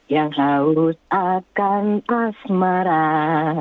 yang haus akan pas marah